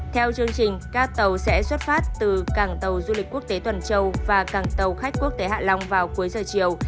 theo chương trình các tàu sẽ xuất phát từ cảng tàu du lịch quốc tế tuần châu và cảng tàu khách quốc tế hạ long vào cuối giờ chiều